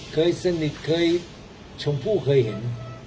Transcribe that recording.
เคยสนิทเคยชมพู่เคยเห็น